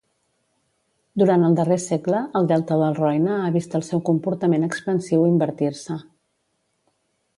Durant el darrer segle, el delta del Roine ha vist el seu comportament expansiu invertir-se.